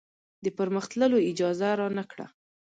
د پر مخ تللو اجازه رانه کړه.